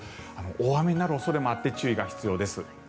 大雨になる恐れもあって注意が必要です。